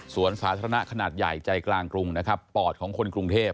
ส่วนสาธารณะขนาดใหญ่ใจกลางกรุงนะครับปอดของคนกรุงเทพ